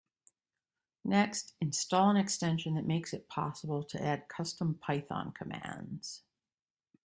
Next, install an extension that makes it possible to add custom Python commands.